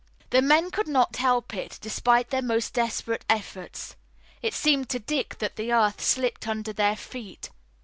The men could not help it, despite their most desperate efforts. It seemed to Dick that the earth slipped under their feet.